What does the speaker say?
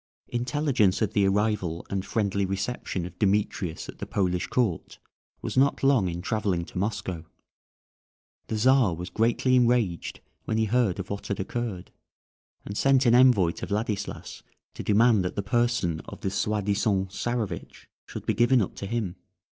Intelligence of the arrival and friendly reception of Demetrius at the Polish court was not long in travelling to Moscow; the Czar was greatly enraged when he heard of what had occurred, and sent an envoy to Vladislas to demand that the person of the soi disant Czarewitch should be given up to him.